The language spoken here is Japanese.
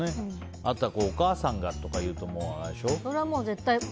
あとはお母さんがとか言うとそれは絶対。